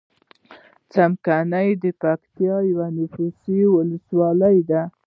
څمکنی دپکتیا یوه نفوسې ولسوالۍ ده.